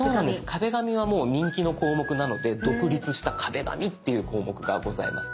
「壁紙」はもう人気の項目なので独立した「壁紙」っていう項目がございます。